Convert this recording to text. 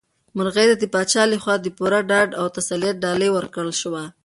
مرغۍ ته د پاچا لخوا د پوره ډاډ او تسلیت ډالۍ ورکړل شوه.